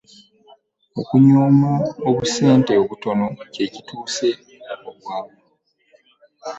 Okunyooma obusente obutono kye kitussa obwavu.